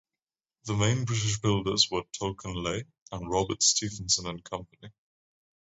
The main British builders were Tulk and Ley and Robert Stephenson and Company.